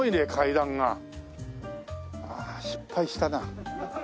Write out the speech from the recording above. ああ失敗したな。